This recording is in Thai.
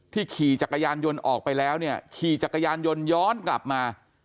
ขี่จักรยานยนต์ออกไปแล้วเนี่ยขี่จักรยานยนต์ย้อนกลับมา